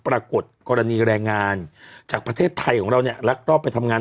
ปรากฏกรณีแรงงานจากประเทศไทยของเราเนี่ยรักรอบไปทำงาน